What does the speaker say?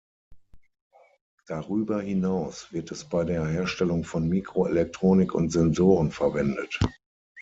Darüber hinaus wird es bei der Herstellung von Mikroelektronik und Sensoren verwendet.